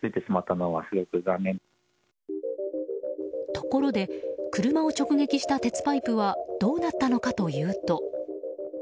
ところで車を直撃した鉄パイプはどうなったのかというと。